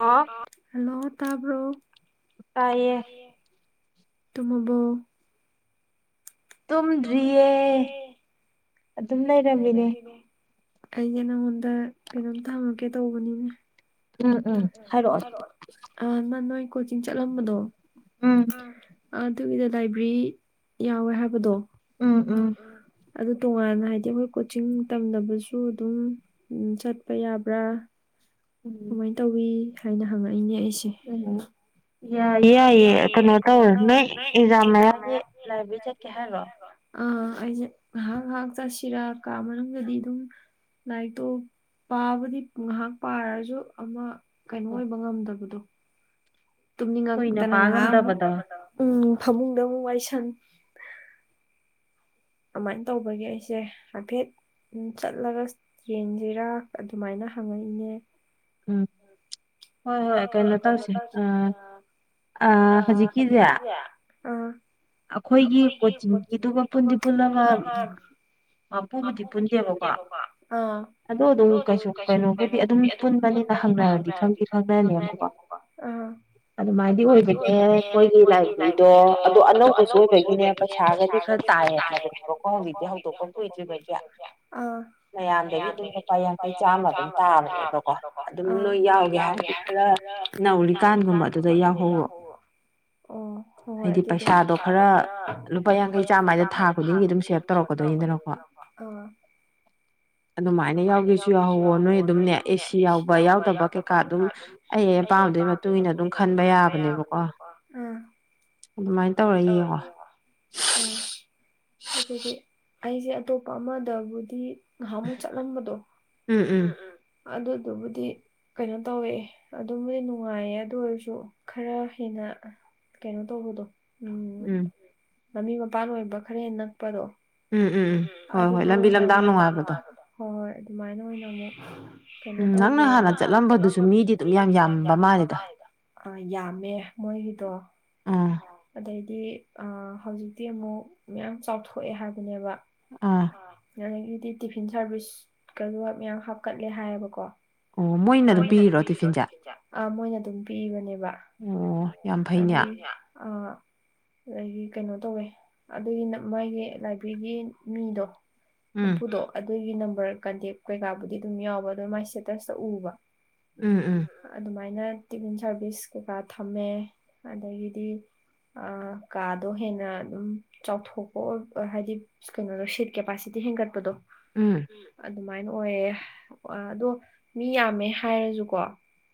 ꯑꯥ hello ꯇꯥꯕ꯭ꯔꯣ ꯇꯏꯌꯦ ꯇꯨꯝꯃꯕꯣ ꯇꯨꯝꯗꯔꯤꯌꯦ ꯁꯨꯝ ꯂꯩꯔꯝꯃꯤꯅꯦ ꯑꯩꯖꯦ ꯅꯉꯣꯟꯗ ꯀꯩꯅꯣꯝꯇꯥ ꯍꯪꯉꯛꯀꯦ ꯇꯧꯕꯅꯤꯅꯦ ꯎꯝ ꯎꯝ ꯍꯥꯏꯔꯛꯑꯣ ꯑ ꯅ ꯅꯣꯏ ꯀꯣꯆꯤꯡ ꯆꯠꯂꯝꯕꯗꯣ ꯑꯗꯨꯒꯤꯗ ꯂꯥꯏꯕ꯭ꯔꯦꯔꯤ ꯌꯥꯎꯋꯦ ꯍꯥꯏꯕꯗꯣ ꯎꯝ ꯎꯝ ꯑꯗꯨ ꯇꯣꯉꯥꯟꯅ ꯍꯥꯏꯗꯤ ꯃꯣꯏ ꯀꯣꯆꯤꯡ ꯇꯝꯗꯕꯁꯨ ꯑꯗꯨꯝ ꯆꯠꯄ ꯌꯥꯕ꯭ꯔꯥ ꯀꯃꯥꯏꯅ ꯇꯧꯏ ꯍꯥꯏꯅ ꯍꯪꯉꯛꯏꯅꯦ ꯑꯩꯁꯦ [unintelligible] ꯌꯥꯏꯌꯦ ꯌꯥꯏꯌꯦ ꯀꯩꯅꯣ ꯇꯧꯔꯣ ꯅꯣꯏ ꯑꯦꯛꯖꯥꯝ ꯃꯌꯥꯒꯤ ꯂꯥꯏꯕ꯭ꯔꯦꯔꯤ ꯆꯠꯀꯦ ꯍꯥꯏꯔꯣ ꯑꯥ ꯑꯩꯖꯦ ꯉꯥꯏꯍꯥꯛ ꯉꯥꯏꯍꯥꯛ ꯆꯠꯁꯤꯔꯥ ꯀꯥ ꯃꯅꯨꯡꯗꯗꯤ ꯑꯗꯨꯝ ꯂꯥꯏꯔꯤꯛꯇꯣ ꯄꯥꯕꯨꯗꯤ ꯉꯥꯏꯍꯥꯛ ꯄꯥꯔꯁꯨ ꯑꯃ ꯀꯩꯅꯣ ꯑꯣꯏꯕ ꯉꯝꯗꯕꯗꯣ ꯫ ꯇꯨꯝꯅꯤꯡꯉꯛꯇꯅ ꯉꯥꯏꯍꯥꯛ ꯑꯃꯨꯛ ꯎꯝ ꯐꯃꯨꯡꯗ ꯑꯃꯨꯛ ꯋꯥꯏꯁꯟ ꯑꯗꯨꯃꯥꯏꯅ ꯇꯧꯕꯒꯤ ꯑꯩꯁꯦ ꯍꯥꯏꯐꯦꯠ ꯎꯝ ꯆꯠꯂꯒ ꯌꯦꯡꯁꯤꯔꯥ ꯑꯗꯨꯃꯥꯏꯅ ꯍꯪꯉꯛꯏꯅꯦ ꯫ ꯎꯝ ꯍꯣꯏ ꯍꯣꯏ ꯀꯩꯅꯣ ꯇꯧꯁꯦ ꯑꯥ ꯑꯥ ꯍꯧꯖꯤꯛꯀꯤꯁꯦ ꯑꯈꯣꯏꯒꯤ ꯀꯣꯆꯤꯗꯨꯒ ꯄꯨꯟꯗꯤ ꯄꯨꯜꯂꯒ ꯃꯔꯐꯨꯕꯨꯗꯤ ꯄꯨꯟꯗꯦꯕꯀꯣ ꯑ ꯑꯗꯨ ꯑꯗꯨꯝ ꯀꯩꯁꯨ ꯀꯩꯅꯣꯕꯨꯗꯤ ꯑꯗꯨꯝ ꯄꯨꯟꯕꯅꯤꯅ ꯈꯪꯅꯔꯅꯤ ꯈꯪꯗꯤ ꯈꯪꯅꯅꯤꯕꯀꯣ ꯑꯗꯨꯃꯥꯏꯗꯤ ꯑꯣꯏꯕꯅꯦ ꯃꯣꯏꯒꯤ ꯂꯥꯏꯕ꯭ꯔꯦꯔꯤꯗꯣ ꯑꯣꯗꯣ ꯑꯅꯧꯕ ꯑꯣꯏꯕꯒꯤꯅꯦ ꯄꯩꯁꯥꯒꯗꯤ ꯈꯔ ꯇꯥꯏꯑ ꯍꯥꯏꯕꯗꯨꯀꯣ ꯍꯧꯖꯤꯛꯇꯤ ꯍꯧꯗꯣꯛꯄ ꯀꯨꯏꯗ꯭ꯔꯤꯕꯁꯦ ꯃꯌꯥꯝꯗꯒꯤ ꯑꯗꯨꯝ ꯂꯨꯄꯥ ꯌꯥꯡꯈꯩ ꯆꯥꯝꯃ ꯑꯗꯨꯝ ꯇꯥꯕꯅꯤ ꯕꯀꯣ ꯑꯗꯨꯝ ꯅꯣꯏ ꯌꯥꯎꯒꯦ ꯍꯥꯏꯔꯗꯤ ꯈꯔ ꯅꯧꯔꯤꯀꯥꯟꯒꯨꯝꯕ ꯑꯗꯨꯗ ꯌꯥꯎꯍꯧꯔꯣ ꯑꯣ ꯍꯣꯏ ꯍꯣꯏ ꯑꯗꯨꯗꯤ ꯄꯩꯁꯥꯗꯣ꯫ ꯈꯔ ꯂꯨꯄꯥ ꯌꯥꯡꯈꯩ ꯆꯥꯝꯃꯥ ꯍꯥꯏꯗꯣ ꯊꯥ ꯈꯨꯗꯤꯡꯒꯤ ꯑꯗꯨꯝ ꯁꯦꯞ ꯇꯧꯔꯛꯀꯥꯗꯣꯏꯅꯤꯗꯅꯀꯣ [inaudible] ꯑꯗꯨꯃꯥꯏꯅ ꯌꯥꯎꯒꯦꯁꯨ ꯌꯥꯎꯍꯧꯋꯣ ꯅꯣꯏ ꯑꯗꯨꯝꯅꯦ ꯑꯦꯁꯤ ꯌꯥꯎꯕ ꯌꯥꯎꯗꯕ ꯀꯩꯀꯥ ꯑꯗꯨꯝ ꯑꯩ ꯑꯩ ꯑꯄꯥꯝꯗꯨꯒꯤ ꯃꯇꯨꯡ ꯏꯟꯅ ꯑꯗꯨꯝ ꯈꯟꯕ ꯌꯥꯕꯅꯦꯕꯀꯣ ꯑꯗꯨꯃꯥꯏꯅ ꯇꯧꯔ ꯌꯦꯡꯉꯣ ꯑꯣ ꯑꯗꯨꯗꯤ ꯑꯩꯁꯦ ꯑꯇꯣꯞꯄ ꯑꯃꯗꯕꯨꯗꯤ ꯅꯍꯥꯟꯃꯨꯛ ꯆꯠꯂꯝꯕꯗꯣ ꯎꯝ ꯎꯝ ꯑꯗꯨꯗꯨꯕꯨꯗꯤ ꯀꯩꯅꯣ ꯇꯧꯋꯦ ꯑꯗꯨꯝꯗꯤ ꯅꯨꯡꯉꯥꯏꯌꯦ ꯑꯗꯨ ꯑꯣꯏꯔꯁꯨ ꯈꯔ ꯍꯦꯟꯅ ꯫ ꯀꯩꯅꯣ ꯇꯧꯕꯗꯣ ꯎꯝ ꯃꯃꯤ ꯃꯄꯥꯟ ꯑꯣꯏꯕ ꯈꯔ ꯍꯦꯟꯅ ꯅꯛꯄꯗꯣ ꯎꯝ ꯎꯝ ꯑꯗꯨꯗ ꯍꯣꯏ ꯍꯣꯏ ꯑꯗꯨꯃꯥꯏꯅ ꯑꯣꯏꯅ ꯑꯃꯨꯛ ꯀꯩꯅꯣ ꯇꯧꯒꯦ ꯅꯪꯅ ꯍꯥꯟꯅ ꯆꯠꯂꯝꯕꯗꯨꯁꯨ ꯃꯤꯗꯤ ꯑꯗꯨꯝ ꯌꯥꯝ ꯌꯥꯝꯕ ꯃꯥꯜꯂꯤꯗ꯫ ꯑ ꯌꯥꯝꯃꯦ ꯃꯣꯏꯒꯤꯗꯣ ꯑꯗꯩꯗꯤ ꯑꯥ ꯍꯧꯖꯤꯛꯇꯤ ꯑꯃꯨꯛ ꯃꯌꯥꯝ ꯆꯥꯎꯊꯣꯛꯑꯦ ꯍꯥꯏꯕꯅꯦꯕ ꯑ ꯑꯗꯒꯤꯗꯤ ꯇꯤꯐꯤꯟ ꯁꯥꯔꯚꯤꯁꯀꯗ ꯃꯌꯥꯝ ꯍꯥꯞꯀꯠꯂꯦ ꯍꯥꯏꯌꯦꯕꯀꯣ ꯫ ꯑꯣ ꯃꯣꯏꯅ ꯑꯗꯨꯝ ꯄꯤꯔꯤꯔꯣ ꯇꯤꯐꯤꯟꯖꯦ ꯑꯥ ꯃꯣꯏꯅ ꯑꯗꯨꯝ ꯄꯤꯕꯅꯦꯕ ꯑꯣ ꯑꯗꯨꯏ ꯑ ꯑꯗꯒꯤ ꯀꯩꯅꯣ ꯇꯧꯋꯦ ꯑꯗꯨꯒꯤ ꯃꯥꯒꯤ ꯂꯥꯏꯕ꯭ꯔꯦꯔꯤꯒꯤ ꯃꯤꯗꯣ ꯃꯄꯨꯗꯣ ꯑꯗꯨꯒꯤ ꯅꯝꯕꯔ ꯀꯟꯇꯦꯛ ꯀꯩꯀꯥꯕꯨꯗꯤ ꯑꯗꯨꯝ ꯌꯥꯎꯕ ꯑꯗꯨ ꯃꯥꯏ ꯁꯇꯦꯇ꯭ꯁꯇꯥ ꯎꯕ ꯑꯗꯨꯃꯥꯏꯅ ꯇꯤꯚꯤꯟ ꯁꯥꯔꯚꯤꯁ ꯀꯩꯀꯥ ꯊꯝꯃꯦ ꯑꯗꯥꯒꯤꯗꯤ ꯑ ꯀꯥꯗꯣ ꯍꯦꯟꯅ ꯑꯗꯨꯝ ꯆꯥꯎꯊꯣꯛꯄ ꯑꯣꯏꯕ ꯍꯥꯏꯗꯤ ꯀꯩꯅꯣꯗꯣ ꯁꯤꯗ ꯀꯦꯄꯥꯁꯤꯇꯤ ꯍꯦꯟꯒꯠꯄꯗꯣ ꯎꯝ ꯑꯗꯨꯃꯥꯏꯅ ꯑꯣꯏꯌꯦ ꯑꯗꯣ ꯃꯤ ꯌꯥꯝꯃꯦ ꯍꯥꯏꯔꯁꯨꯀꯣ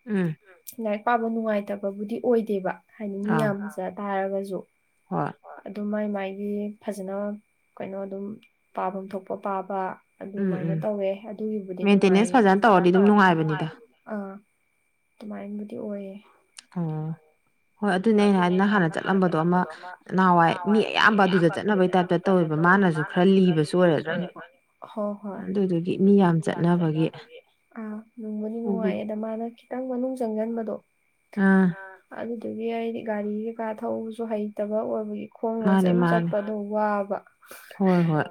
ꯎꯝ ꯂꯥꯏꯔꯤꯛ ꯄꯥꯕ ꯅꯨꯡꯉꯥꯏꯇꯕꯕꯨꯗꯤ ꯑꯣꯏꯗꯦꯕ ꯍꯥꯏꯗꯤ ꯃꯤ ꯌꯥꯝꯖ ꯇꯥꯔꯒꯁꯨ ꯍꯣꯏ ꯑꯗꯨꯝ ꯃꯥꯏ ꯃꯥꯏꯒꯤ ꯐꯖꯅ ꯀꯩꯅꯣ ꯑꯗꯨꯝ ꯄꯥꯕꯝ ꯊꯣꯛꯄ ꯄꯥꯕ ꯑꯗꯨꯃꯥꯏꯅ ꯇꯧꯋꯦ ꯑꯗꯨꯒꯤꯕꯨꯗꯤ ꯅꯨꯡꯉꯥꯏꯅꯦ ꯃꯦꯟꯇꯦꯅꯦꯟꯁ ꯐꯖꯅ ꯇꯧꯔꯗꯤ ꯑꯗꯨꯝ ꯅꯨꯡꯉꯥꯏꯕꯗꯨꯅꯦ ꯑ ꯗꯨꯃꯥꯏꯕꯨꯗꯤ ꯑꯣꯏꯌꯦ ꯑꯝ ꯍꯣꯏ ꯑꯗꯨꯅꯦ ꯑꯩ ꯍꯥꯏꯅ ꯅꯪ ꯍꯥꯟꯅ ꯆꯠꯂꯝꯕꯗꯣ ꯑꯃ ꯅꯍꯥꯟꯋꯥꯏ ꯃꯤ ꯑꯌꯥꯝꯕ ꯑꯗꯨꯗ ꯆꯠꯅꯕꯩ ꯗꯇ ꯇꯧꯔꯤꯕ ꯃꯥꯅꯁꯨ ꯈꯔ ꯂꯤꯕꯁꯨ ꯑꯣꯏꯔꯒꯅꯦ ꯍꯣ ꯍꯣꯏ ꯑꯗꯨꯗꯨꯗꯤ ꯃꯤ ꯌꯥꯝ ꯆꯠꯅꯕꯒꯤ ꯑꯥ ꯅꯨꯡꯕꯨꯗꯤ ꯅꯨꯡꯉꯥꯏ ꯑꯗ ꯃꯥꯅ ꯈꯤꯇꯪ ꯃꯅꯨꯡ ꯆꯪꯁꯤꯟꯕꯗꯣ꯫ ꯎꯝ ꯑꯗꯨꯗꯨꯒꯤ ꯑꯩꯗꯤ ꯒꯥꯔꯤ ꯀꯩꯀꯥ ꯊꯧꯕꯁꯨ ꯍꯩꯇꯕ ꯑꯣꯏꯕꯒꯤ ꯈꯣꯡꯅ ꯁꯨꯝ ꯆꯠꯄꯗꯣ ꯋꯥꯕ ꯍꯣꯏ ꯍꯣꯏ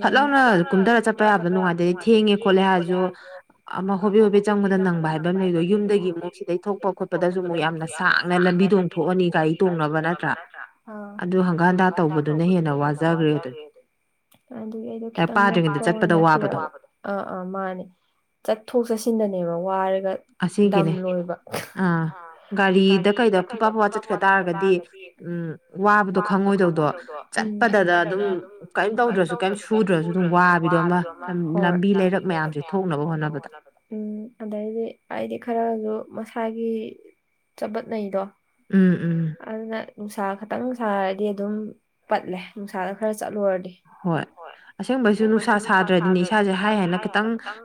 ꯐꯠ ꯂꯥꯎꯅ ꯀꯨꯝꯊꯔꯒ ꯆꯠꯄ ꯌꯥꯕꯗꯣ ꯅꯨꯡꯉꯥꯏꯇꯗꯤ ꯊꯦꯡꯉꯦ ꯈꯣꯠꯂꯦ ꯍꯥꯏꯔꯁꯨ ꯑꯃ ꯍꯣꯕꯦ ꯍꯣꯕꯦ ꯆꯪꯕꯗ ꯅꯪꯕ ꯍꯥꯏꯕ ꯑꯃ ꯂꯩꯗꯣ ꯌꯨꯝꯗꯒꯤ ꯑꯃꯨꯛ ꯁꯤꯗꯩ ꯊꯣꯛꯄ ꯈꯣꯠꯄꯗꯁꯨ ꯑꯃꯨꯛ ꯌꯥꯝꯅ ꯁꯥꯡ ꯂꯝꯕꯤꯗꯣ ꯑꯃꯨꯛ ꯊꯣꯛꯑꯅꯤ ꯒꯥꯔꯤ ꯇꯣꯡꯅꯕ ꯅꯠꯇ꯭ꯔꯥ ꯑꯗꯨ ꯍꯪꯒꯥꯠ ꯍꯟꯗꯥ ꯇꯧꯕꯗꯨꯅ ꯍꯦꯟꯅ ꯋꯥꯖꯈ꯭ꯔꯦꯗꯨꯅꯦ ꯫ ꯑꯗꯨꯒꯤ ꯑꯩꯗꯣ ꯈꯤꯇꯪ ꯅꯛꯄ ꯑꯣꯏꯅ ꯊꯤꯔꯛꯑꯕ ꯑꯥ ꯑꯥ ꯃꯥꯅꯦ ꯆꯠꯊꯣꯛ ꯆꯠꯁꯤꯟꯗꯅꯦꯕ ꯋꯥꯔꯒ ꯗꯥꯝ ꯂꯣꯏꯕ ꯒꯥꯔꯤꯗ ꯀꯩꯗ ꯐꯨꯠꯐꯥ ꯐꯨꯠꯐꯥ ꯋꯥ ꯆꯠꯈꯤ ꯇꯥꯔꯒꯗꯤ ꯋꯥꯕꯗꯣ ꯈꯪꯉꯣꯏꯗꯧꯗꯣ ꯎ ꯆꯠꯄꯗꯗ ꯑꯗꯨꯝ ꯀꯩꯝ ꯇꯧꯗ꯭ꯔꯁꯨ ꯀꯝ ꯁꯨꯗ꯭ꯔꯁꯨ ꯑꯗꯨꯝ ꯋꯥꯕꯤꯗꯣ ꯑꯃ ꯂꯝꯕꯤ ꯂꯩꯔꯛ ꯍꯣꯏ ꯫ ꯃꯌꯥꯝꯁꯦ ꯊꯧꯅꯕ ꯍꯣꯠꯅꯕꯗ ꯎꯝ ꯑꯗꯩꯗꯤ ꯑꯩꯗꯤ ꯈꯔꯁꯨ ꯃꯁꯥꯒꯤ ꯆꯕꯠꯅꯩꯗꯣ ꯎꯝ ꯎꯝ ꯑꯗꯨꯅ ꯅꯨꯡꯁꯥ ꯈꯇꯪ ꯁꯥꯔꯗꯤ ꯑꯗꯨꯝ ꯄꯠꯂꯦ ꯅꯨꯡꯁꯥꯗ ꯈꯔ ꯆꯠꯂꯨꯔꯗꯤ ꯍꯣꯏ ꯑꯁꯦꯡꯕꯩꯁꯨ ꯅꯨꯡꯁꯥ ꯁꯥꯗ꯭ꯔꯗꯤ ꯏꯁꯥꯥꯁꯦ ꯍꯥꯏ ꯍꯥꯏꯅ ꯈꯤꯇꯪ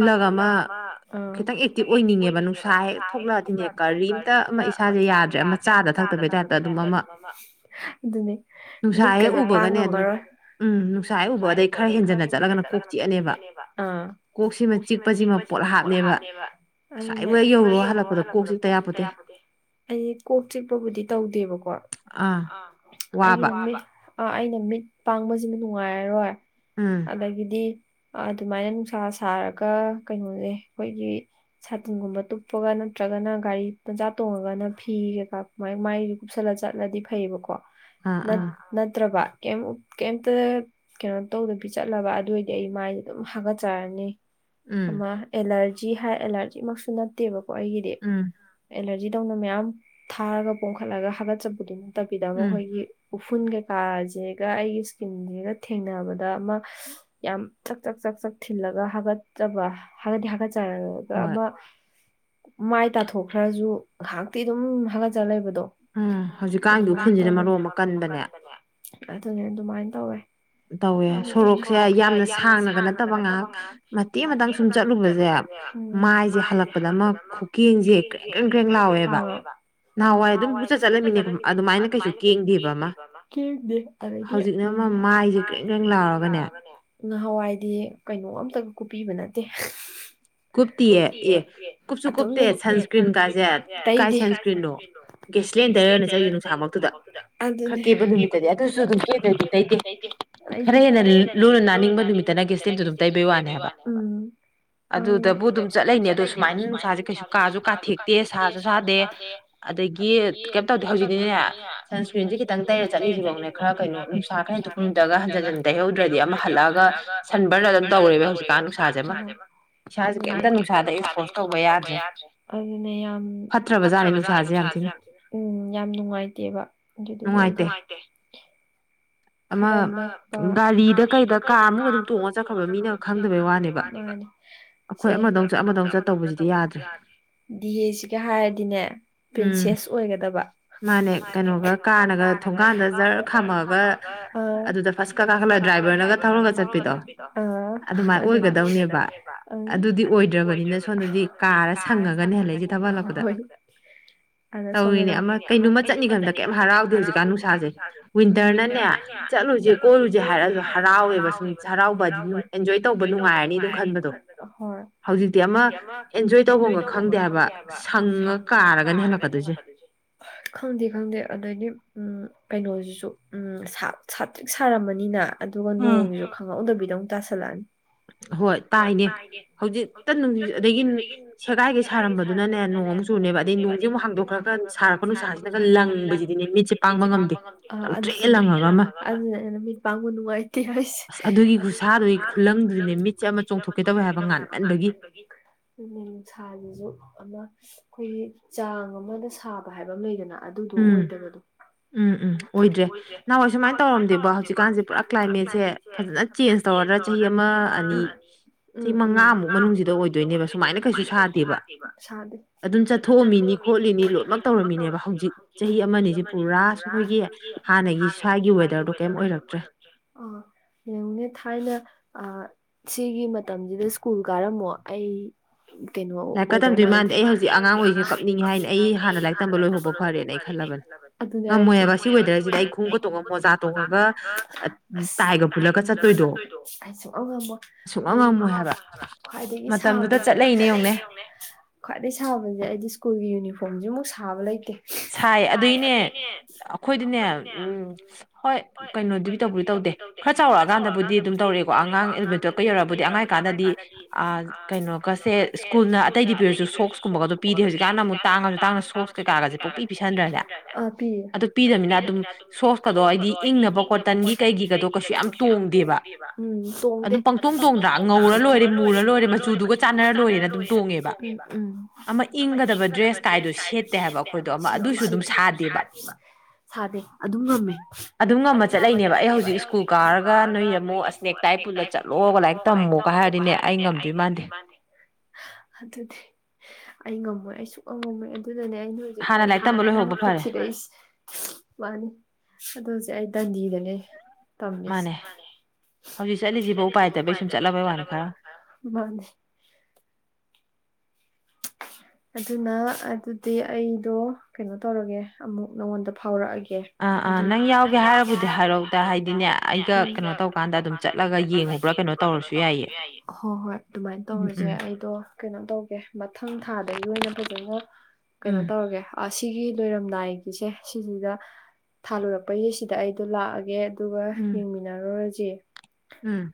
ꯀꯜꯂꯒ ꯑꯃ ꯎꯝ ꯈꯤꯇꯪ ꯑꯦꯛꯇꯤꯚ ꯑꯣꯏꯅꯤꯡꯉꯦꯕ ꯅꯨꯡꯁꯥ ꯍꯦꯛ ꯊꯣꯛꯂꯛꯑꯗꯤꯅꯦ꯫ ꯀꯔꯤꯝꯇ ꯑꯃ ꯏꯁꯥꯥꯁꯦ ꯌꯥꯗ꯭ꯔꯦ ꯑꯃ ꯆꯥꯗ ꯊꯛꯇꯕꯒꯤ ꯇꯥꯏꯞꯇ ꯑꯗꯨꯝ ꯑꯃ ꯑꯗꯨꯅꯦ ꯃꯤꯠꯀꯁꯨ ꯄꯥꯡ ꯉꯝꯃꯔꯣꯏ ꯎꯝ ꯅꯨꯡꯁꯥ ꯍꯦꯛ ꯎꯕꯒ ꯑꯗꯩ ꯈꯔ ꯍꯦꯟꯖꯟꯅ ꯆꯠꯂꯒꯅ ꯀꯣꯛ ꯆꯤꯛꯑꯅꯤꯕ ꯀꯣꯛꯁꯤꯃ ꯆꯤꯛꯄ ꯁꯤꯃꯥ ꯄꯣꯠ ꯍꯥꯞꯅꯦꯕ ꯑꯗꯨꯅꯦ ꯑꯁꯥꯏ ꯌꯧꯔꯣ ꯍꯜꯂꯛꯄꯗ ꯀꯣꯛꯁꯤꯛꯇ ꯌꯥꯄꯣꯟꯇꯦ ꯫ ꯑꯩꯗꯤ ꯀꯣꯛ ꯆꯤꯛꯄꯕꯨꯗꯤ ꯇꯧꯗꯦꯕꯀꯣ ꯑꯩꯒꯤꯅ ꯑꯥ ꯑꯩꯅ ꯃꯤꯠ ꯄꯥꯡꯕꯁꯤꯃ ꯅꯨꯡꯉꯥꯏꯔꯔꯣꯏ ꯎꯝ ꯑꯗꯒꯤꯗꯤ ꯑ ꯑꯗꯨꯃꯥꯏꯅ ꯅꯨꯡꯁꯥ ꯁꯥꯔꯒ ꯀꯩꯅꯣꯁꯦ ꯑꯩꯈꯣꯏꯒꯤ ꯁꯥꯇꯤꯟꯒꯨꯝꯕ ꯇꯨꯞꯄꯒ ꯅꯠꯇ꯭ꯔꯒꯅ ꯒꯥꯔꯤ ꯃꯆꯥ ꯇꯣꯡꯉꯒꯅ ꯐꯤ ꯀꯩꯀꯥꯥ ꯃꯥꯏ ꯀꯨꯞꯁꯜꯂ ꯆꯠꯂꯗꯤ ꯐꯩꯌꯦꯕꯀꯣ ꯅꯠꯇ꯭ꯔꯕ ꯀꯩꯝ ꯀꯩꯝꯇ ꯀꯩꯅꯣ ꯇꯧꯗꯕꯤ ꯆꯠꯂꯕ ꯑꯗꯨ ꯑꯣꯏꯏꯗꯤ ꯑꯩ ꯃꯥꯏꯁꯦ ꯑꯗꯨꯝ ꯍꯥꯀꯠ ꯆꯔꯅꯤ ꯑꯃ ꯑꯦꯂꯔꯖꯤ ꯍꯥꯏꯔ ꯑꯦꯂꯔꯖꯤꯃꯛꯁꯨ ꯅꯠꯇꯦꯕꯀꯣ ꯑꯩꯒꯤꯗꯤ ꯎꯝ ꯑꯦꯂꯔꯖꯤ ꯇꯧꯅ ꯃꯌꯥꯝ ꯊꯥꯔꯒ ꯄꯣꯝꯈꯠꯂꯒ ꯍꯥꯒꯠꯆꯕꯤꯗꯨ ꯅꯠꯇꯕꯤꯗ ꯑꯩꯈꯣꯏꯒꯤ ꯎꯐꯨꯟ ꯀꯩꯀꯥꯁꯦꯒ ꯑꯩꯒꯤ ꯏꯁꯀꯤꯟꯁꯤꯒ ꯊꯦꯡꯅꯕꯗ ꯑꯃ ꯌꯥꯝ ꯆꯛ ꯆꯛ ꯆꯛ ꯊꯤꯜꯂꯒ ꯍꯥꯒꯠꯆꯕ ꯍꯒꯠꯇꯤ ꯍꯥꯒꯠꯆꯔ ꯑꯃꯥ ꯃꯥꯏ ꯇꯥꯊꯣꯛꯈ꯭ꯔꯁꯨ ꯉꯥꯏꯍꯥꯛꯇꯤ ꯑꯗꯨꯝ ꯍꯥꯒꯠꯆ ꯂꯩꯕꯗꯣ ꯫ ꯑꯗꯨꯃꯥꯏꯅ ꯇꯧꯔꯦ ꯀꯥꯡ ꯆꯤꯛꯄꯁꯤꯁꯨ ꯃꯔꯣꯝ ꯑꯃ ꯀꯟꯕꯅꯦ ꯑꯗꯨꯅꯦ ꯑꯗꯨꯃꯥꯏ ꯇꯧꯔꯦ ꯁꯣꯔꯣꯛꯁꯦ ꯌꯥꯝꯅ ꯁꯥꯡꯅꯒ ꯅꯠꯇꯕ ꯉꯥꯏꯍꯥꯛ ꯃꯇꯦꯛ ꯑꯃꯇꯪ ꯁꯨꯝ ꯆꯠꯂꯨꯕꯁꯦ ꯃꯥꯏꯁꯦ ꯍꯜꯂꯛꯄꯗ ꯑꯃ ꯀꯔꯦꯡ ꯀꯔꯦꯡ ꯂꯥꯎꯋꯦꯕ ꯑꯗꯨꯅꯦ ꯅꯍꯥꯟꯋꯥꯏ ꯑꯗꯨꯝ ꯄꯪꯆꯠ ꯆꯠꯂꯅꯤꯅꯦ ꯑꯗꯨꯃꯥꯏꯅ ꯀꯩꯁꯨ ꯀꯦꯟꯗꯦꯕ ꯑꯃ ꯀꯦꯟꯗꯦ ꯍꯧꯖꯤꯛꯅ ꯅꯍꯥꯟꯋꯥꯏꯗꯤ ꯀꯩꯅꯣ ꯑꯝꯇꯥꯒ ꯀꯨꯞꯄꯤꯕ ꯅꯠꯇꯦ ꯀꯨꯞꯇꯤꯌꯦ ꯑꯦ ꯑꯗꯨꯝꯅꯦ ꯁꯟꯁꯀ꯭ꯔꯤꯟ ꯀꯥꯏꯖꯦ ꯇꯩꯗꯦ ꯀꯥꯏ ꯁꯟꯁꯀ꯭ꯔꯤꯟꯅꯣ ꯒꯦꯁꯂꯦꯟ ꯇꯩꯔꯒ ꯆꯠꯂꯤꯅꯤ ꯅꯨꯡꯁꯥ ꯃꯔꯛꯇꯨꯗꯥ ꯑꯗꯨꯅꯦ ꯀꯦꯕ ꯅꯨꯃꯤꯠꯇꯥꯗꯤ ꯑꯗꯨꯖꯨ ꯑꯗꯨꯝ ꯀꯦꯗꯔꯥꯗꯤ ꯇꯩꯗꯦ ꯇꯩꯗꯦ ꯈꯔ ꯍꯦꯟꯅ ꯂꯨꯅ ꯅꯥꯅꯤꯡꯕ ꯅꯨꯃꯤꯠ ꯉꯁꯥꯏ ꯒꯂꯦꯁꯦꯜ ꯇꯩꯕ ꯋꯥꯅꯦ ꯎꯨꯝ ꯎꯨꯝ ꯑꯗꯨꯗꯥꯕꯨ ꯑꯗꯨꯝ ꯆꯠꯂꯩꯅꯦ ꯑꯗꯣ ꯁꯨꯃꯥꯏꯅ ꯅꯨꯡꯁꯥꯖꯦ ꯀꯩꯁꯨ ꯀꯥꯁꯨ ꯀꯥꯊꯦꯛꯇꯦ ꯁꯥꯁꯨ ꯁꯥꯗꯦ ꯑꯗꯒꯤ ꯀꯩꯝ ꯇꯧꯗꯦ ꯍꯧꯖꯤꯛꯅꯤꯅꯦ ꯁꯟꯁ꯭ꯀ꯭ꯔꯤꯟꯁꯦ ꯈꯤꯇꯪ ꯇꯩꯔ ꯆꯠꯂꯤꯁꯤꯐꯧꯅꯦ ꯈꯔ ꯀꯩꯅꯣ ꯅꯨꯡꯁꯥꯗ ꯍꯦꯟꯗꯣꯛꯄ ꯅꯨꯃꯤꯠꯇꯒꯥ ꯍꯟꯖꯤꯟ ꯍꯟꯖꯤꯟ ꯇꯩꯍꯧꯗ꯭ꯔꯗꯤ ꯑꯃ ꯍꯜꯂꯛꯑꯒ ꯁꯟꯕꯔꯥꯟ ꯑꯗꯨꯝ ꯇꯧꯔꯦꯕ ꯍꯧꯖꯤꯛ ꯅꯨꯡꯁꯥꯖꯦ ꯏꯁꯥꯖꯦ ꯀꯩꯝꯇ ꯅꯨꯡꯁꯥꯗ ꯏꯛꯄꯣꯁ ꯇꯧꯕ ꯌꯥꯗ꯭ꯔꯦ ꯫ ꯑꯗꯨꯅꯦ ꯌꯥꯝ ꯐꯠꯇ꯭ꯔꯕ ꯖꯥꯠꯅꯦ ꯅꯨꯡꯁꯥꯁꯦ ꯌꯥꯝ ꯊꯤꯅ ꯎꯝ ꯌꯥꯝ ꯅꯨꯡꯉꯥꯏꯇꯦꯕ ꯑꯗꯨꯒꯤ ꯑꯩꯗꯣ ꯅꯨꯡꯉꯥꯥꯏꯇꯦ ꯑꯃ ꯈꯔ ꯒꯥꯔꯤꯗ ꯀꯩꯗ ꯀꯥꯔ ꯃꯅꯨꯡ ꯑꯗꯨꯝ ꯇꯣꯡꯉꯒ ꯆꯠꯈ꯭ꯔꯕ ꯃꯤꯅ ꯈꯪꯗꯕꯩ ꯋꯥꯅꯤꯕ ꯃꯥꯅꯦ ꯫ ꯁꯦ ꯑꯃꯗ ꯑꯃꯨꯛ ꯆꯠ ꯑꯃꯗ ꯑꯃꯨꯛ ꯆꯠ ꯇꯧꯕꯗꯨꯗꯤ ꯌꯥꯗꯔꯦ ꯗꯤꯍꯦꯁꯤꯒꯥ ꯍꯥꯏꯔꯗꯤꯅꯦ ꯄ꯭ꯔꯤꯟꯁꯦꯁ ꯑꯣꯏꯒꯗꯕ ꯃꯥꯅꯦ ꯀꯩꯅꯣꯒ ꯀꯥꯔꯅꯒ ꯊꯣꯡꯒꯥꯟꯗ ꯖꯔ ꯈꯥꯝꯃꯛ ꯑꯒꯥ ꯑꯥ ꯑꯗꯨꯗꯥ ꯕꯁꯀꯥ ꯀꯥꯈꯠꯂꯒ ꯗ꯭ꯔꯥꯏꯚꯔꯅꯒ ꯊꯧꯔꯒ ꯆꯠꯄꯤꯗꯣ ꯑꯗꯨꯃꯥꯏꯅ ꯑꯣꯏꯒꯗꯧꯅꯦꯕ ꯑꯗꯨꯗꯤ ꯑꯣꯏꯗ꯭ꯔꯕꯅꯤꯅ ꯁꯣꯝꯗꯗꯤ ꯀꯥꯔꯥ ꯁꯪꯉꯒꯅꯤꯅꯦ ꯊꯕꯛ ꯂꯥꯛꯄꯗꯥ ꯑꯗꯥ ꯁꯥꯝꯗꯗꯤ ꯊꯩꯔꯤꯅꯦ ꯀꯩꯅꯥꯃꯥ ꯆꯠꯅꯤ ꯈꯟꯕꯥ ꯀꯩꯝ ꯍꯔꯥꯎꯗꯦ ꯍꯧꯖꯤꯛꯀꯥꯟ ꯅꯨꯡꯁꯥꯖ ꯋꯤꯟꯇ꯭ꯔ ꯅꯪꯅꯦ ꯆꯠꯂꯨꯁꯦ ꯀꯣꯏꯔꯨꯁꯦ ꯍꯥꯏꯔꯁꯨ ꯍꯔꯥꯎꯋꯦꯕ ꯁꯨꯝ ꯍꯔꯥꯎꯕ ꯁꯨꯝ ꯑꯦꯟꯖꯣꯏ ꯇꯧꯕ ꯅꯨꯡꯉꯥꯏꯔꯅꯤ ꯗꯨ ꯈꯟ ꯍꯣꯏ ꯍꯧꯖꯤꯛꯇꯤ ꯑꯃ ꯑꯦꯟꯖꯣꯏ ꯇꯧꯕꯐꯝꯒ ꯈꯪꯗꯦ ꯍꯥꯏꯕ ꯁꯪꯉ ꯀꯥꯔꯒꯅ ꯍꯦꯜꯂꯛꯀꯗꯣꯏꯁꯦ ꯈꯪꯗꯦ ꯈꯪꯗꯦ ꯑꯗꯒꯤ ꯎꯝ ꯀꯩꯅꯣꯁꯤꯁꯨ ꯎꯝ ꯁꯥꯇ꯭ꯔꯤꯛ ꯁꯥꯔꯝꯃꯅꯤꯅ ꯑꯗꯨꯒ ꯅꯣꯡꯖꯤꯖꯨ ꯈꯪꯍꯧꯗꯕꯤꯗ ꯑꯃꯨꯛ ꯇꯥꯁꯜꯂꯛꯑꯅꯤ ꯍꯣꯏ ꯇꯥꯏꯌꯦ ꯍꯧꯖꯤꯛ ꯀꯟ ꯑꯗꯒꯤ ꯁꯦꯒꯥꯏꯒꯩ ꯁꯥꯔꯝꯕꯗꯨꯅꯅꯦ ꯅꯣꯡ ꯑꯃꯨꯛ ꯆꯨꯅꯤꯕ ꯑꯗꯩ ꯅꯣꯡꯁꯤ ꯑꯃꯨꯛ ꯍꯥꯡꯗꯣꯛꯈ꯭ꯔꯒ ꯁꯥꯔꯛꯄ ꯅꯨꯡꯁꯥꯥ ꯁꯤꯅꯒ ꯂꯪꯕꯁꯤꯗꯤꯅꯦ ꯃꯤꯠꯁꯦ ꯄꯥꯡꯕ ꯉꯝꯗꯦ ꯑ ꯑꯗꯨꯁꯨꯅꯦ ꯑꯗꯨ ꯃꯤꯠ ꯄꯥꯡꯕ ꯅꯨꯡꯉꯥꯏꯇꯦ ꯍꯥꯏꯁꯦ ꯂꯝꯁꯦ ꯃꯤꯠꯁꯦ ꯑꯃ ꯆꯣꯡꯊꯣꯛꯀꯦ ꯇꯧꯋꯦ ꯍꯥꯏꯕ ꯉꯥꯟꯃꯟꯕꯒꯤ꯫ ꯑꯗꯨꯅꯦ ꯅꯨꯡꯁꯥꯁꯤꯁꯨ ꯑꯃ ꯑꯩꯈꯣꯏꯒꯤ ꯆꯥꯡ ꯑꯃꯗ ꯁꯥꯕ ꯍꯥꯏꯕ ꯑꯃ ꯂꯩꯗꯅ꯫ ꯑꯗꯨꯗꯣ ꯑꯣꯏꯗꯕꯗꯣ ꯎꯝ ꯎꯝ ꯑꯣꯏꯗ꯭ꯔꯦ ꯅꯍꯥꯟꯋꯥ ꯁꯨꯃꯥꯏꯅ ꯇꯧꯔꯝꯗꯦꯕ ꯍꯧꯖꯤꯛꯀꯥꯟꯁꯦ ꯄꯨꯔꯥ ꯀ꯭ꯂꯥꯏꯃꯦꯠꯁꯦ ꯐꯖꯅ ꯆꯦꯟꯖ ꯇꯧꯔꯗ ꯆꯍꯤ ꯑꯃ ꯑꯅꯤ ꯎꯝ ꯎꯝ ꯆꯍꯤ ꯃꯉꯥꯃꯨꯛ ꯃꯅꯨꯡꯁꯤꯗ ꯑꯣꯏꯗꯣꯏꯅꯦꯕ ꯁꯨꯃꯥꯏꯅ ꯀꯩꯁꯨ ꯁꯥꯗꯦꯕ ꯁꯥꯗꯦ ꯊꯣꯛꯑꯝꯃꯤꯅꯤ ꯈꯣꯠꯂꯤꯅꯤ ꯂꯣꯏꯅꯃꯛ ꯇꯧꯔꯝꯃꯤꯅꯦꯕ ꯍꯧꯖꯤꯛ ꯆꯍꯤ ꯑꯃꯅꯤꯁꯦ ꯄꯨꯔꯥ ꯑꯩꯈꯣꯏꯒꯤ ꯍꯥꯟꯅꯒꯤ ꯁ꯭ꯋꯥꯏ ꯁꯋꯥꯏꯒꯤ ꯋꯗꯔꯥꯗꫭ ꯀꯩꯝ ꯑꫭꯏꯔꯝꯗꯔꯦ ꯌꯦꯡꯉꯨꯅꯦ ꯊꯥꯏꯅ ꯁꯤꯒꯤ ꯃꯇꯝꯁꯤꯗ ꯁ꯭ꯀꯨꯜ ꯀꯥꯔꯝꯃꯣ ꯑꯩ ꯀꯩꯅꯣ ꯑꯣꯏꯗꯧ ꯃꯥꯜꯂꯦ ꯑꯩ ꯍꯧꯖꯤꯛ ꯑꯉꯥꯡ ꯑꯣꯏꯔꯥꯗꯤ ꯀꯞꯅꯤꯡꯉꯦ ꯍꯥꯏꯅꯤ ꯑꯩ ꯍꯥꯟꯅ ꯂꯥꯏꯔꯤꯛ ꯇꯝꯕ ꯂꯣꯏꯍꯧꯕ ꯐꯔꯦꯅꯦ ꯑꯗꯨꯅꯦ ꯍꯥꯏꯁꯦ ꯉꯝꯃꯣꯏꯕ ꯁꯤ ꯋꯦꯗ꯭ꯔꯁꯤꯗꯤ ꯑꯩ ꯃꯣꯖꯥ ꯇꯣꯡꯉꯒ ꯑꯁ ꯇꯥꯏꯒ ꯄꯨꯜꯂꯒ ꯆꯠꯇꯣꯏꯗꯣ ꯑꯩ ꯁꯨꯡꯉꯝꯃꯣꯏ ꯁꯨꯡꯉꯝ ꯉꯝꯃꫭꯏ ꯍꯥꯏꯕꯥ ꯈ꯭ꯋꯥꯏꯗꯒꯤ ꯁꯥꯕꯁꯦ ꯃꯇꯝꯗꯨꯗꯥ ꯆꯠꯂꯛꯑꫯꯅꯤ ꯌꯦꯡꯉꯨꯅꯦ ꯈ꯭ꯋꯥꯏꯗꯥꯒꯤ ꯁꯥꯕꯖꯦ ꯑꯩꯗꯤ ꯁ꯭ꯀꯨꯜꯒꯤ ꯌꯨꯅꯤꯐꯣꯔꯝꯖꯤꯃꯨꯛ ꯁꯥꯕ ꯂꯩꯇꯦ ꯁꯥꯏ ꯑꯗꯩꯅꯦ ꯑꯩꯈꯣꯏꯗꯤꯅꯦ ꯎꯝ ꯍꯣꯏ ꯀꯩꯅꯣꯗꯨꯗꯤ ꯇꯧꯕꯗꯤ ꯇꯧꯗꯦ ꯈꯔ ꯆꯥꯎꯔꯛꯑꯀꯥꯟꯗꯕꯨꯗꯤ ꯑꯗꯨꯝ ꯇꯧꯔꯛꯑꯦꯀꯣ ꯑꯉꯥꯡ ꯏꯂꯤꯕꯦꯜ ꯇꯨꯌꯦꯞ ꯌꯧꯔꯛꯑꯕꯨꯗꯤ ꯑꯉꯥꯡ ꯑꫭꯏꯔꯤꯀꯥꯟꯗꯥꯕꯎꯗꯤ ꯑ ꯀꯩꯅꯣꯒꯁꯦ ꯁ꯭ꯀꯨꯜꯅ ꯑꯇꯩꯗꯤ ꯄꯤꯔꯁꯨ ꯁꯣꯛꯁ ꯀꯨꯝꯕꯒꯗꯣ ꯄꯤꯗꯦ ꯍꯧꯖꯤꯛꯀꯥꯟꯅ ꯑꯃꯨꯛ ꯇꯥꯡꯉꯁꯨ ꯇꯥꯡꯅ ꯁꯣꯛꯁ ꯁꯣꯝ ꯀꯩꯀꯥꯒꯗꯤ ꯄꯪꯄꯤ ꯄꯤꯁꯟꯗ꯭ꯔꯅꯦ ꯑꯥ ꯄꯤꯌꯦ ꯑꯗꯨ ꯄꯤꯗꯅꯤꯅ ꯑꯗꯨꯝ ꯁꯣꯁꯀꯗꯣ ꯍꯥꯏꯗꯤ ꯏꯪꯅꯕ ꯀꯣꯇꯟꯒꯤ ꯀꯩꯒꯤꯒꯗꯣ ꯀꯩꯁꯨ ꯌꯥꯝ ꯇꯣꯡꯗꯦꯕ ꯎꯝ ꯇꯣꯡꯗꯦ ꯑꯗꯨꯝ ꯄꯪꯇꯣꯡ ꯇꯣꯡꯗ꯭ꯔꯥ ꯉꯧꯔꯥ ꯂꯣꯏꯔꯦ ꯃꯨꯔꯥ ꯂꯣꯏꯔꯦ ꯃꯆꯨꯗꯨꯒ ꯆꯥꯟꯅꯔꯥ ꯂꯣꯏꯔꯦꯅ ꯑꯗꯨꯝ ꯇꯣꯡꯉꯦꯕ ꯑꯃ ꯏꯪꯒꯗꯕ ꯗ꯭ꯔꯦꯁ ꯀꯥꯏꯗꯣ ꯁꯦꯠꯇꯦ ꯑꯗꯨꯖꯨ ꯑꯗꯨꯝ ꯁꯥꯗꯦꯕ ꯁꯥꯗꯦ ꯑꯗꯨꯝ ꯉꯝꯃꯦ ꯑꯗꯨꯝ ꯉꯝꯃꯥ ꯆꯠꯂꯛꯏꯅꯦꯕ ꯑꯩ ꯍꯧꯖꯤꯛ ꯁꯀ꯭ꯨꯜ ꯀꯥꯔꯒ ꯅꯣꯏ ꯑꯃꯨꯛ [unintelligible] ꯗ ꯆꯠꯂꯣꯒ ꯂꯥꯏꯔꯤꯛ ꯇꯝꯃꯣꯒ ꯍꯥꯏꯔꯗꯤꯅꯦ ꯑꯩ ꯉꯝꯗꯣꯏꯒ ꯃꯥꯥꯟꯗꯤ ꯑꯗꯨꯗꯤ ꯑꯩ ꯉꯝꯃꯣꯏ ꯑꯩ ꯁꯨꯡꯉꯝ ꯉꯝꯃꯣꯏ ꯑꯗꯨꯗꯅꯦ ꯑꯩ ꯅ ꯍꯥꯟꯅ ꯂꯥꯏꯔꯤꯛ ꯇꯝꯕ ꯂꯣꯏꯍꯧꯕ ꯐꯥꯔꯦ ꯃꯥꯅꯤ ꯑꯗꯨ ꯍꯧꯖꯤꯛ ꯑꯩ ꯗꯟꯗꯤꯗꯥꯅꯦ ꯇꯝꯃꯤꯁ ꯃꯥꯅꯦ ꯍꯧꯖꯤꯛ ꯆꯠꯂꯤꯁꯤꯐꯥꯎ ꯎꯄꯥꯏ ꯂꯩꯇꯥꯕꯩ ꯁꯨꯝ ꯆꯠꯂꯕꯩ ꯋꯥꯅꯤ ꯈꯔ ꯃꯥꯅꯦ [unintelligible] ꯑꯗꯨꯅ ꯑꯗꯨꯗꯤ ꯑꯩꯗꯣ ꯀꯩꯅꯣ ꯇꯧꯔꯒꯦ ꯑꯃꯨꯛ ꯅꯉꯣꯟꯗ ꯐꯥꯎꯔꯛꯑꯒꯦ ꯑꯥ ꯑꯥ ꯅ ꯪ ꯌꯥꯎꯒꯦ ꯍꯥꯏꯔꯕꯨꯗꯤ ꯍꯥꯏꯔꯧꯗ ꯍꯥꯏꯗꯤꯅꯦ ꯑꯩꯒ ꯀꯩꯅꯣ ꯇꯧꯀꯥꯟ ꯆꯠꯂꯒ ꯌꯦꯡꯉꯕ꯭ꯔꯥ ꯀꯩꯅꯣ ꯇꯧꯁꯨ ꯌꯥꯏꯌꯦ ꯍꯣ ꯍꯣꯏ ꯑꯗꯨꯃꯥꯏꯅ ꯇꯧꯔꯁꯦ ꯑꯩꯗꯣ ꯀꯩꯅꯣ ꯇꯧꯒꯦ ꯃꯊꯪ ꯊꯥꯗꯒꯤ ꯑꯣꯏꯅ ꯐꯖꯅ ꯀꯩꯅꯣ ꯇꯧꯔꯒꯦ ꯑꯁꯤꯒꯤ ꯂꯣꯏꯔꯝꯗꯥꯏꯒꯤꯁꯦ ꯁꯤꯖꯤꯒ ꯊꯥ ꯂꯣꯏꯔꯛꯄꯩꯁꯦ ꯁꯤꯗ ꯑꯩꯗꯣ ꯂꯥꯛꯑꯒꯦ ꯑꯗꯨꯒ ꯌꯦꯡꯃꯤꯟꯅꯔꯨꯔꯥꯖꯤ ꯎꯝ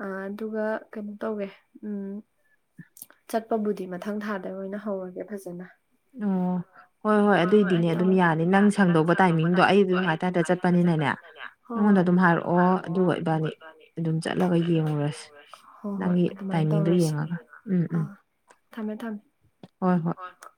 ꯑ ꯑꯗꯨꯒ ꯀꯩꯅꯣ ꯇꯧꯋꯦ ꯎꯝ ꯆꯠꯄꯕꯨꯗꯤ ꯃꯊꯪ ꯊꯥꯗꯩ ꯑꯣꯏꯅ ꯍꯧꯔꯒꯦ ꯐꯖꯅ ꯎꯝ ꯍꯣꯏ ꯍꯣꯏ ꯑꯗꯨꯏꯗꯤꯅꯦ ꯑꯗꯨꯝ ꯌꯥꯅꯤ ꯅꯪ ꯁꯪꯗꯧꯕ ꯇꯥꯏꯃꯤꯡꯗꯣ ꯑꯩ ꯑꯗꯨꯝ ꯉꯥꯏꯇꯥ ꯉꯥꯏꯇꯥ ꯆꯠꯄꯅꯤꯅꯥꯅꯦ ꯍꯣꯏ ꯍꯣꯏ ꯑꯩꯉꯣꯟꯗ ꯑꯗꯨꯝ ꯍꯥꯏꯔꯛꯑꯣ ꯑꯗꯨꯒ ꯏꯕꯥꯏꯅꯤ ꯆꯠꯂꯒ ꯌꯦꯡꯉꯨꯔꯁꯦ ꯍꯣꯏ ꯍꯣꯏ ꯑꯗꯨꯃꯥꯏꯅ ꯇꯧꯔꯁꯤ ꯑꯥ ꯊꯝꯃꯦ ꯊꯝꯃꯦ ꯍꯣꯏ ꯍꯣꯏ [unintelligible]